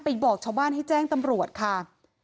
บอกชาวบ้านให้แจ้งตำรวจค่ะ